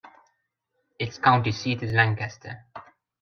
Its county seat is Lancaster.